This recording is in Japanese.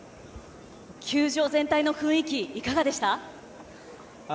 球場全体の雰囲気いかがでしたか。